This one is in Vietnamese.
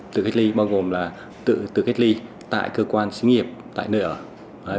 tự kết ly bao gồm là tự kết ly tại cơ quan sinh nghiệp tại nơi ở